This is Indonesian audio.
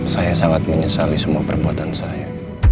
saya sangat menyesali semua perbuatan saya